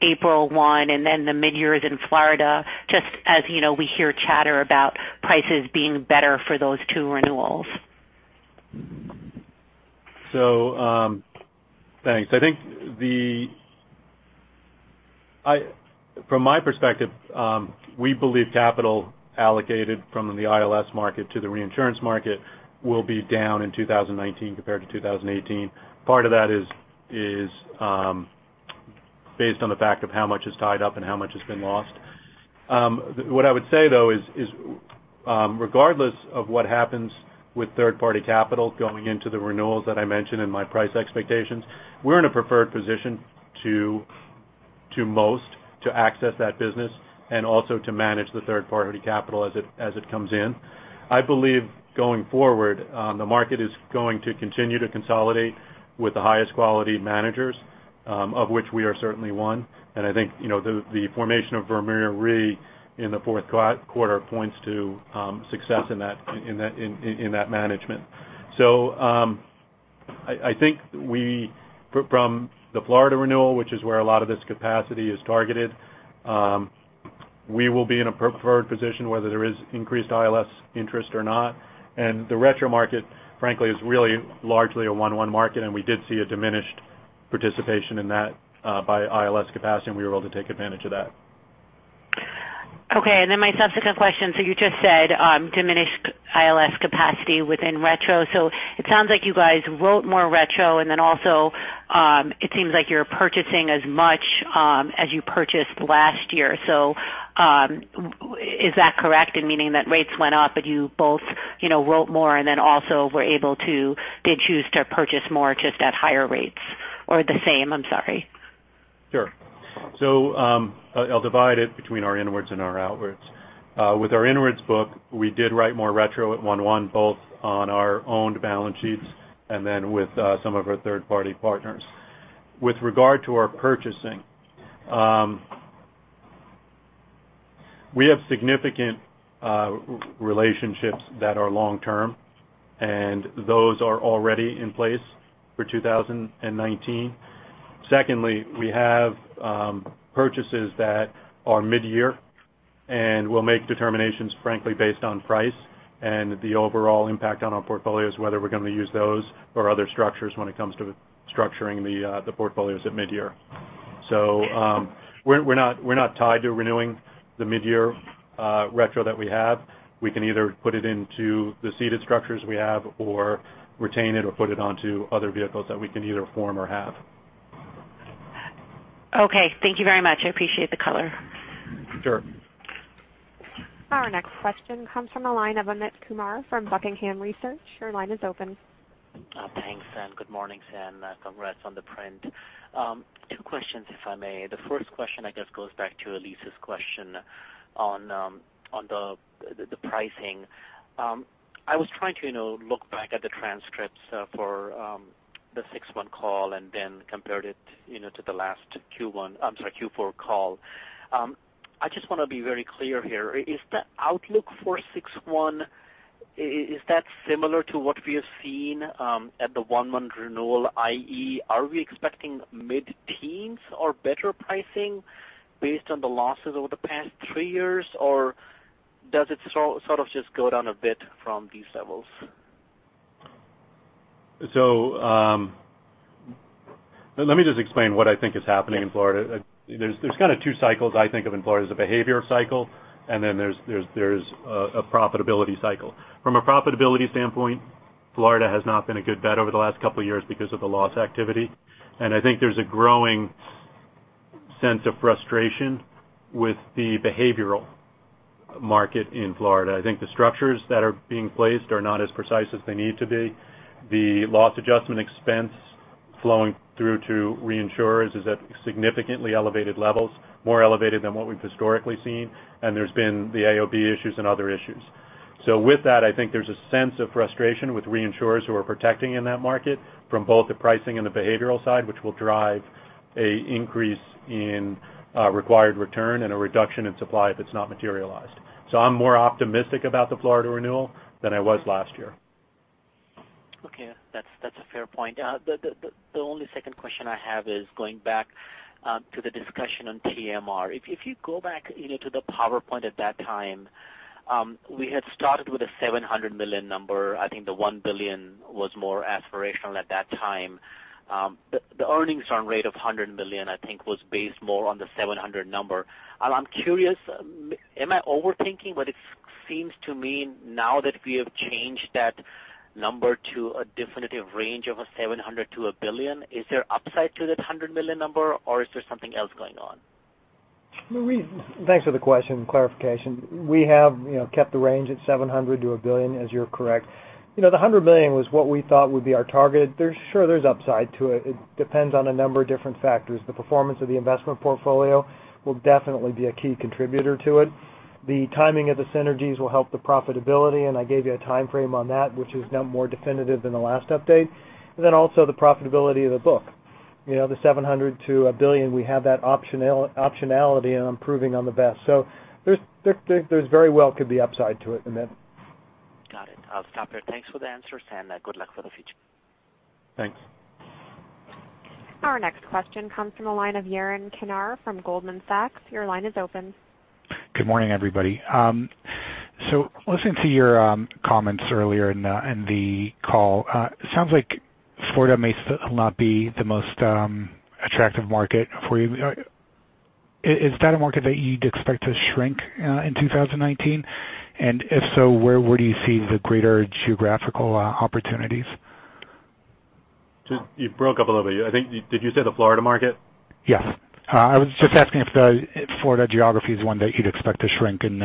April one and then the mid-years in Florida, just as we hear chatter about prices being better for those two renewals? Thanks. From my perspective, we believe capital allocated from the ILS market to the reinsurance market will be down in 2019 compared to 2018. Part of that is based on the fact of how much is tied up and how much has been lost. What I would say, though, is regardless of what happens with third-party capital going into the renewals that I mentioned in my price expectations, we're in a preferred position to most to access that business and also to manage the third-party capital as it comes in. I believe going forward, the market is going to continue to consolidate with the highest quality managers, of which we are certainly one. And I think the formation of Vermeer Re in the fourth quarter points to success in that management. I think from the Florida renewal, which is where a lot of this capacity is targeted, we will be in a preferred position whether there is increased ILS interest or not. The retro market, frankly, is really largely a one-one market, and we did see a diminished participation in that by ILS capacity, and we were able to take advantage of that. My subsequent question. You just said diminished ILS capacity within retro. It sounds like you guys wrote more retro, and also it seems like you're purchasing as much as you purchased last year. Is that correct in meaning that rates went up, but you both wrote more and also were able to choose to purchase more just at higher rates or the same? I'm sorry. Sure. I'll divide it between our inwards and our outwards. With our inwards book, we did write more retro at one-one, both on our owned balance sheets and with some of our third-party partners. With regard to our purchasing. We have significant relationships that are long-term, and those are already in place for 2019. Secondly, we have purchases that are mid-year, and we'll make determinations, frankly, based on price and the overall impact on our portfolios, whether we're going to use those or other structures when it comes to structuring the portfolios at mid-year. We're not tied to renewing the mid-year retro that we have. We can either put it into the ceded structures we have or retain it or put it onto other vehicles that we can either form or have. Okay, thank you very much. I appreciate the color. Sure. Our next question comes from the line of Amit Kumar from Buckingham Research. Your line is open. Thanks, good morning, Sam. Congrats on the print. Two questions, if I may. The first question, I guess, goes back to Elyse's question on the pricing. I was trying to look back at the transcripts for the 6/1 call and then compared it to the last Q4 call. I just want to be very clear here. Is the outlook for 6/1 similar to what we have seen at the one-one renewal, i.e., are we expecting mid-teens or better pricing based on the losses over the past three years, or does it sort of just go down a bit from these levels? Let me just explain what I think is happening in Florida. There's kind of two cycles I think of in Florida. There's a behavior cycle and then there's a profitability cycle. From a profitability standpoint, Florida has not been a good bet over the last couple of years because of the loss activity, and I think there's a growing sense of frustration with the behavioral market in Florida. I think the structures that are being placed are not as precise as they need to be. The loss adjustment expense flowing through to reinsurers is at significantly elevated levels, more elevated than what we've historically seen, and there's been the AOB issues and other issues. With that, I think there's a sense of frustration with reinsurers who are protecting in that market from both the pricing and the behavioral side, which will drive an increase in required return and a reduction in supply if it's not materialized. I'm more optimistic about the Florida renewal than I was last year. Okay. That's a fair point. The only second question I have is going back to the discussion on TMR. If you go back to the PowerPoint at that time, we had started with a $700 million number. I think the $1 billion was more aspirational at that time. The earnings on rate of $100 million, I think, was based more on the $700 number. I'm curious, am I overthinking what it seems to mean now that we have changed that number to a definitive range of a $700 to a $1 billion? Is there upside to that $100 million number, or is there something else going on? Thanks for the question and clarification. We have kept the range at $700 to $1 billion, as you're correct. The $100 million was what we thought would be our target. Sure, there's upside to it. It depends on a number of different factors. The performance of the investment portfolio will definitely be a key contributor to it. The timing of the synergies will help the profitability, and I gave you a time frame on that, which is now more definitive than the last update. Also the profitability of the book. The $700 to $1 billion, we have that optionality, and I'm proving on the best. There very well could be upside to it in that. Got it. I'll stop there. Thanks for the answers and good luck for the future. Thanks. Our next question comes from the line of Yaron Kinar from Goldman Sachs. Your line is open. Good morning, everybody. Listening to your comments earlier in the call, it sounds like Florida may not be the most attractive market for you. Is that a market that you'd expect to shrink in 2019? If so, where do you see the greater geographical opportunities? You broke up a little bit. Did you say the Florida market? Yes. I was just asking if the Florida geography is one that you'd expect to shrink in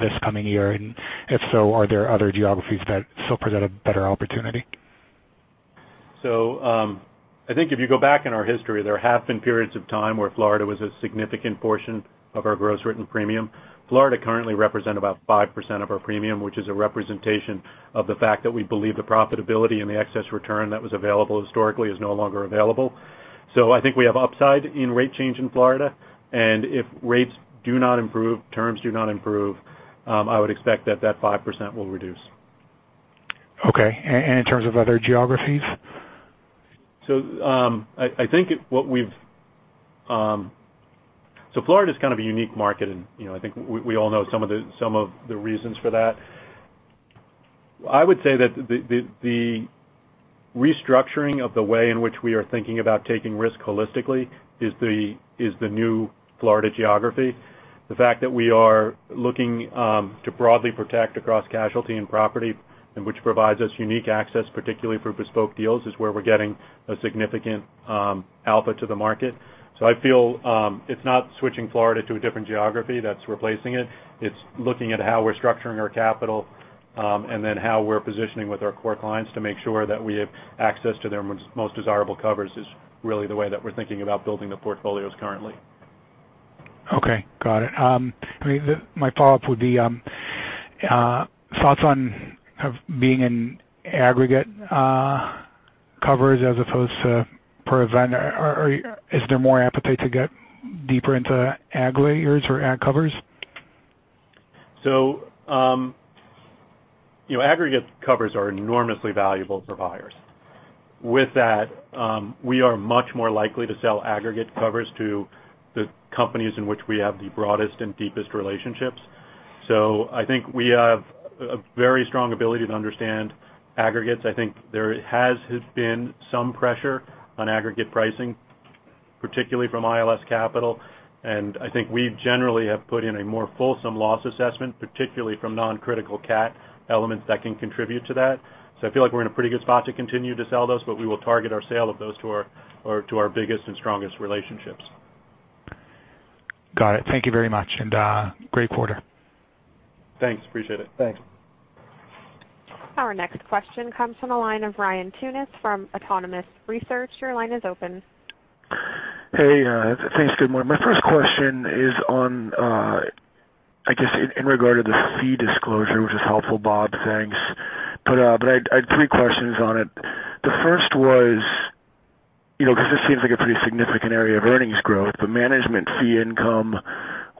this coming year. If so, are there other geographies that still present a better opportunity? I think if you go back in our history, there have been periods of time where Florida was a significant portion of our gross written premium. Florida currently represent about 5% of our premium, which is a representation of the fact that we believe the profitability and the excess return that was available historically is no longer available. I think we have upside in rate change in Florida, and if rates do not improve, terms do not improve, I would expect that that 5% will reduce. Okay. In terms of other geographies? Florida is kind of a unique market, and I think we all know some of the reasons for that. I would say that the restructuring of the way in which we are thinking about taking risk holistically is the new Florida geography. The fact that we are looking to broadly protect across casualty and property, and which provides us unique access, particularly for bespoke deals, is where we're getting a significant output to the market. I feel it's not switching Florida to a different geography that's replacing it. It's looking at how we're structuring our capital and then how we're positioning with our core clients to make sure that we have access to their most desirable covers is really the way that we're thinking about building the portfolios currently. Okay. Got it. My follow-up would be thoughts on being in aggregate coverage as opposed to per event, or is there more appetite to get deeper into aggregators or ag covers? Aggregate covers are enormously valuable for buyers. With that, we are much more likely to sell aggregate covers to the companies in which we have the broadest and deepest relationships. I think we have a very strong ability to understand aggregates. I think there has been some pressure on aggregate pricing, particularly from ILS Capital, I think we generally have put in a more fulsome loss assessment, particularly from non-critical cat elements that can contribute to that. I feel like we're in a pretty good spot to continue to sell those, but we will target our sale of those to our biggest and strongest relationships. Got it. Thank you very much, great quarter. Thanks. Appreciate it. Thanks. Our next question comes from the line of Ryan Tunis from Autonomous Research. Your line is open. Hey, thanks. Good morning. My first question is on, I guess, in regard to the fee disclosure, which is helpful, Bob, thanks. I had three questions on it. The first was, because this seems like a pretty significant area of earnings growth, management fee income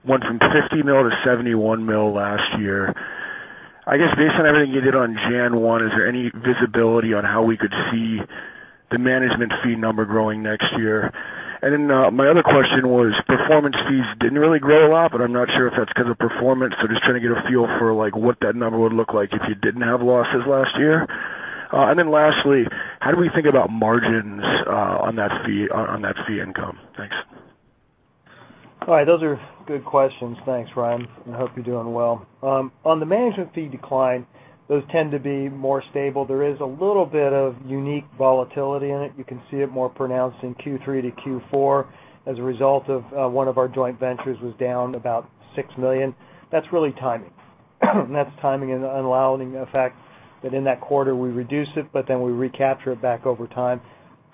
went from $50 million to $71 million last year. I guess based on everything you did on January 1, is there any visibility on how we could see the management fee number growing next year? My other question was, performance fees didn't really grow a lot, but I'm not sure if that's because of performance. Just trying to get a feel for what that number would look like if you didn't have losses last year. Lastly, how do we think about margins on that fee income? Thanks. All right. Those are good questions. Thanks, Ryan. I hope you're doing well. On the management fee decline, those tend to be more stable. There is a little bit of unique volatility in it. You can see it more pronounced in Q3 to Q4 as a result of one of our joint ventures was down about $6 million. That's really timing. That's timing and allowing the fact that in that quarter we reduce it, but then we recapture it back over time,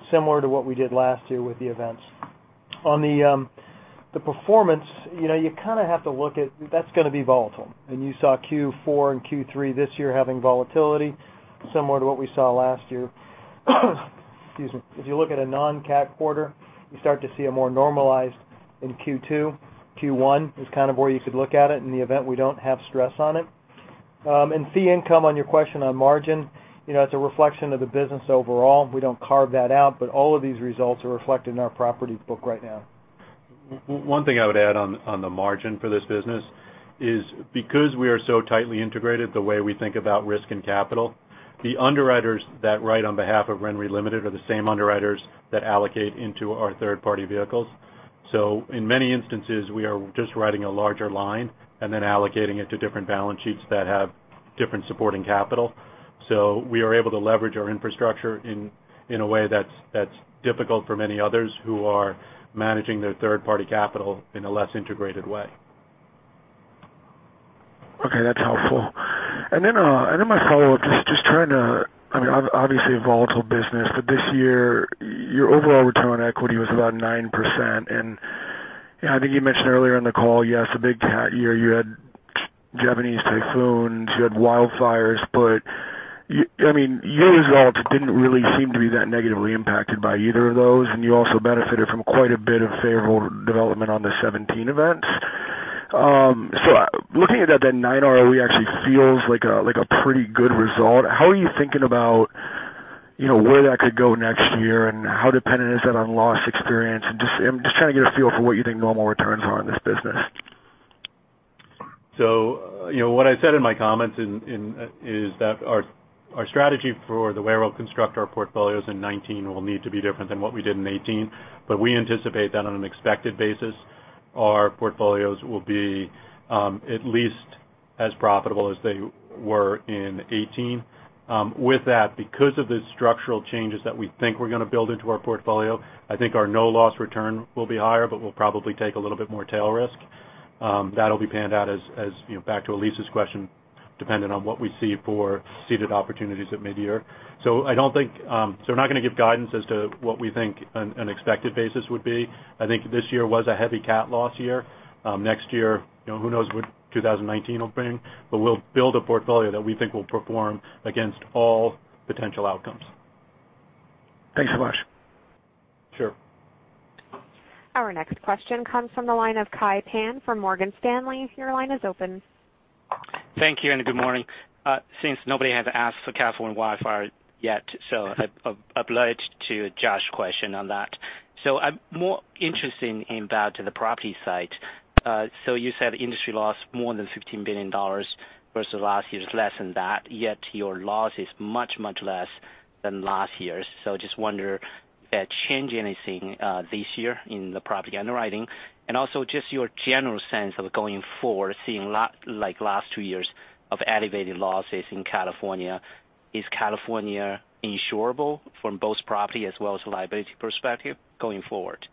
similar to what we did last year with the events. On the performance, that's going to be volatile. You saw Q4 and Q3 this year having volatility similar to what we saw last year. Excuse me. If you look at a non-CAT quarter, you start to see a more normalized in Q2. Q1 is where you could look at it in the event we don't have stress on it. Fee income on your question on margin, it's a reflection of the business overall. We don't carve that out, all of these results are reflected in our property book right now. One thing I would add on the margin for this business is because we are so tightly integrated the way we think about risk and capital, the underwriters that write on behalf of RenRe Limited are the same underwriters that allocate into our third-party vehicles. In many instances, we are just writing a larger line and then allocating it to different balance sheets that have different supporting capital. We are able to leverage our infrastructure in a way that's difficult for many others who are managing their third-party capital in a less integrated way. Okay. That's helpful. My follow-up, just trying to, obviously a volatile business, this year, your overall return on equity was about 9%. I think you mentioned earlier in the call, yes, a big cat year. You had Japanese typhoons, you had wildfires, your results didn't really seem to be that negatively impacted by either of those, and you also benefited from quite a bit of favorable development on the 2017 events. Looking at that net 9% ROE actually feels like a pretty good result. How are you thinking about where that could go next year, and how dependent is that on loss experience? Just trying to get a feel for what you think normal returns are in this business. What I said in my comments is that our strategy for the way we'll construct our portfolios in 2019 will need to be different than what we did in 2018. We anticipate that on an expected basis, our portfolios will be at least as profitable as they were in 2018. With that, because of the structural changes that we think we're going to build into our portfolio, I think our no loss return will be higher, we'll probably take a little bit more tail risk. That'll be panned out as, back to Elyse's question, dependent on what we see for ceded opportunities at mid-year. We're not going to give guidance as to what we think an expected basis would be. I think this year was a heavy cat loss year. Next year, who knows what 2019 will bring, we'll build a portfolio that we think will perform against all potential outcomes. Thanks so much. Sure. Our next question comes from the line of Kai Pan from Morgan Stanley. Your line is open. Thank you, and good morning. Nobody has asked for California wildfire yet, I'd like to Josh question on that. I'm more interested in about the property side. You said industry lost more than $15 billion versus last year's less than that, yet your loss is much, much less than last year's. Just wonder, change anything this year in the property underwriting? Also just your general sense of going forward, seeing like last two years of elevated losses in California, is California insurable from both property as well as a liability perspective going forward?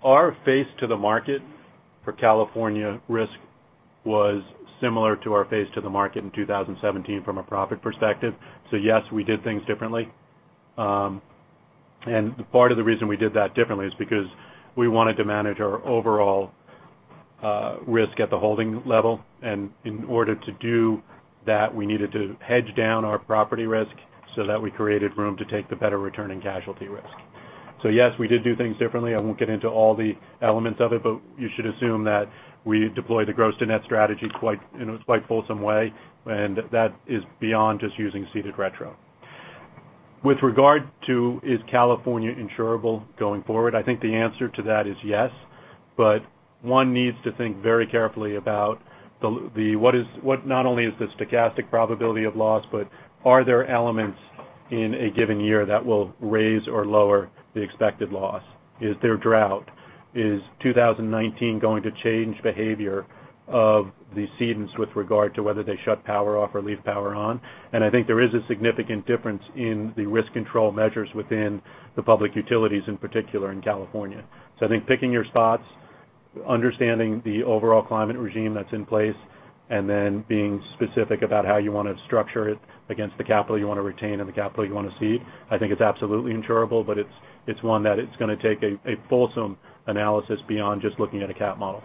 Our face to the market for California risk was similar to our face to the market in 2017 from a profit perspective. Yes, we did things differently. Part of the reason we did that differently is because we wanted to manage our overall risk at the holding level. In order to do that, we needed to hedge down our property risk so that we created room to take the better return in casualty risk. Yes, we did do things differently. I won't get into all the elements of it, but you should assume that we deploy the gross to net strategy in a quite fulsome way, and that is beyond just using ceded retro. With regard to is California insurable going forward, I think the answer to that is yes. One needs to think very carefully about what not only is the stochastic probability of loss, but are there elements in a given year that will raise or lower the expected loss? Is there drought? Is 2019 going to change behavior of the cedents with regard to whether they shut power off or leave power on? I think there is a significant difference in the risk control measures within the public utilities, in particular in California. I think picking your spots, understanding the overall climate regime that's in place, and then being specific about how you want to structure it against the capital you want to retain and the capital you want to cede, I think it's absolutely insurable, but it's one that it's going to take a fulsome analysis beyond just looking at a cap model.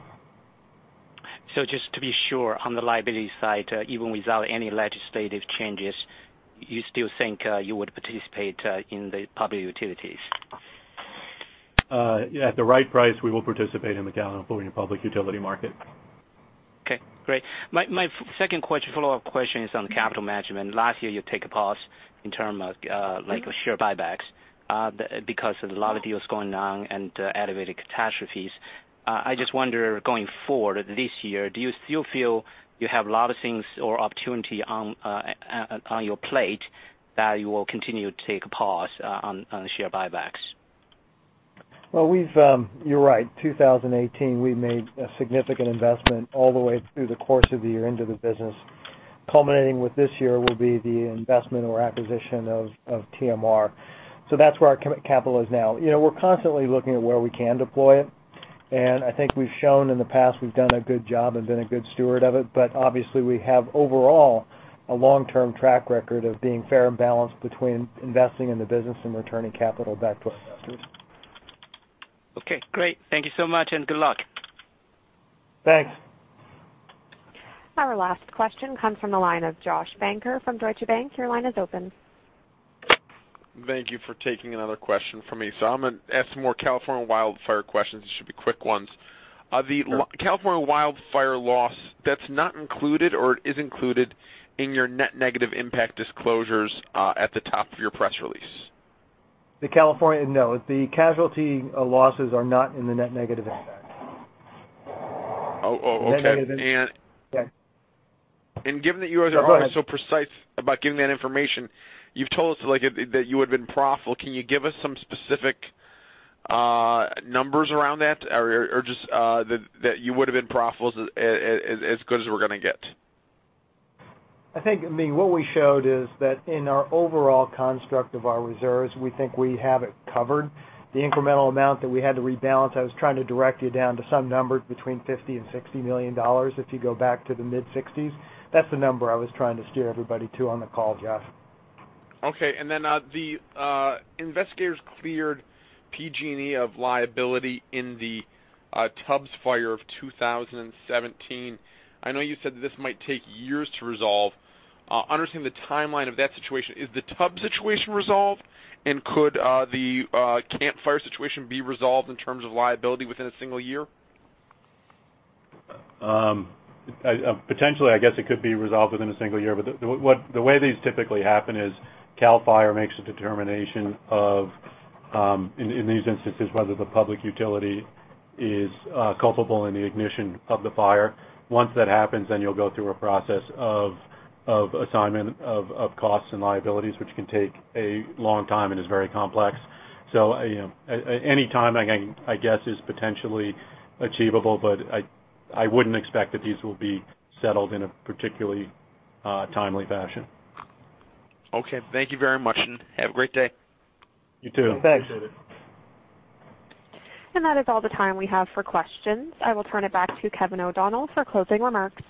Just to be sure, on the liability side, even without any legislative changes, you still think you would participate in the public utilities? At the right price, we will participate in the California public utility market. Okay, great. My second follow-up question is on capital management. Last year you take a pause in terms of share buybacks because of a lot of deals going on and elevated catastrophes. I just wonder, going forward this year, do you still feel you have a lot of things or opportunity on your plate that you will continue to take a pause on share buybacks? Well, you're right. 2018, we made a significant investment all the way through the course of the year into the business, culminating with this year will be the investment or acquisition of TMR. That's where our capital is now. We're constantly looking at where we can deploy it, and I think we've shown in the past we've done a good job and been a good steward of it. But obviously, we have overall a long-term track record of being fair and balanced between investing in the business and returning capital back to our investors. Okay, great. Thank you so much and good luck. Thanks. Our last question comes from the line of Joshua Shanker from Deutsche Bank. Your line is open. Thank you for taking another question from me. I'm going to ask some more California wildfire questions. They should be quick ones. Sure. The California wildfire loss, that's not included, or it is included in your net negative impact disclosures at the top of your press release? No. The casualty losses are not in the net negative impact. Oh, okay. Net negative impact. Yeah. Given that you guys are Go ahead always so precise about giving that information, you've told us that you had been profitable. Can you give us some specific numbers around that? Or just that you would've been profitable is as good as we're going to get? I think what we showed is that in our overall construct of our reserves, we think we have it covered. The incremental amount that we had to rebalance, I was trying to direct you down to some number between $50 and $60 million, if you go back to the mid-60s. That's the number I was trying to steer everybody to on the call, Josh. Okay. The investigators cleared PG&E of liability in the Tubbs Fire of 2017. I know you said that this might take years to resolve. Understanding the timeline of that situation, is the Tubbs situation resolved? Could the Camp Fire situation be resolved in terms of liability within a single year? Potentially, I guess it could be resolved within a single year, but the way these typically happen is Cal Fire makes a determination of, in these instances, whether the public utility is culpable in the ignition of the fire. Once that happens, you'll go through a process of assignment of costs and liabilities, which can take a long time and is very complex. Any time, I guess, is potentially achievable, but I wouldn't expect that these will be settled in a particularly timely fashion. Okay. Thank you very much, have a great day. You too. Thanks. Appreciate it. That is all the time we have for questions. I will turn it back to Kevin O'Donnell for closing remarks.